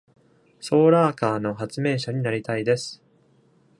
ソーラーカーの発明者になりたいです。